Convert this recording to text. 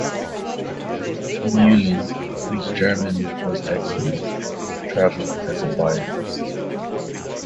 Meulen, whose German was excellent, travelled as a buyer.